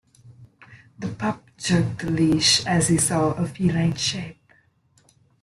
The pup jerked the leash as he saw a feline shape.